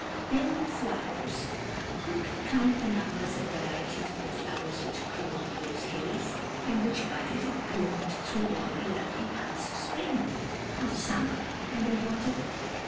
"Then the flowers who can count the numbers and varieties of the flowers which grew on those hills, and which budded and bloomed through all the lovely months of spring, of summer, and of autumn?